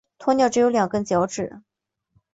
鸵鸟只有两根脚趾。